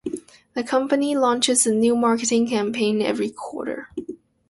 The company launches a new marketing campaign every quarter.